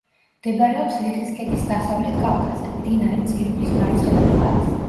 მდებარეობს ლიხის ქედის დასავლეთ კალთაზე, მდინარე ძირულის მარცხენა მხარეს.